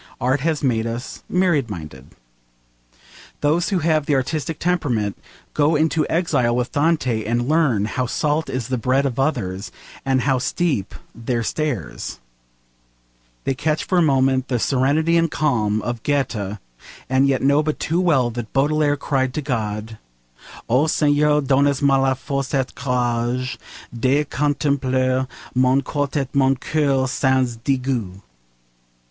Art has made us myriad minded. Those who have the artistic temperament go into exile with Dante and learn how salt is the bread of others, and how steep their stairs; they catch for a moment the serenity and calm of Goethe, and yet know but too well that Baudelaire cried to God 'O Seigneur, donnez moi la force et le courage De contempler mon corps et mon coeur sans degout.'